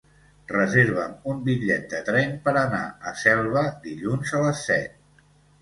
Reserva'm un bitllet de tren per anar a Selva dilluns a les set.